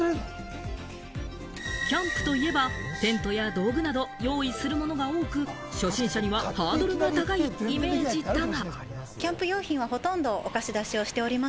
キャンプといえばテントや道具など用意するものが多く、初心者にはハードルが高いイメージだが。